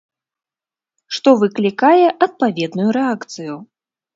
Што выклікае адпаведную рэакцыю.